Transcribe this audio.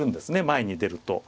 前に出ると。